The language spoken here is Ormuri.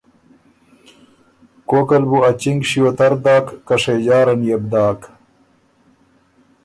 کوکل بو ا چِنګ شیو تر داک کشېجاره نيې بو داک۔